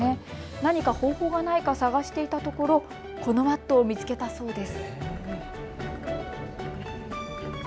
何か方法がないか探していたところこのマットを見つけたそうです。